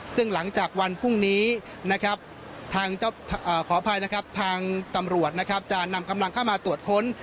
ซึ่งหลังจากวันพรุ่งนี้ทางตำรวจจะนำกำลังข้ามาตรวจค้น